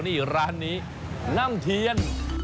นี่ร้านนี้น้ำเทียน